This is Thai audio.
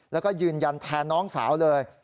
แล้วก็ยืนยันแทนน้องสาวเลย